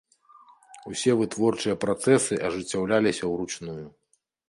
Усе вытворчыя працэсы ажыццяўляліся ўручную.